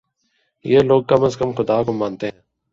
یہ لوگ کم از کم خدا کو مانتے ہیں۔